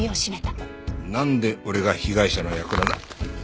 なんで俺が被害者の役なんだ。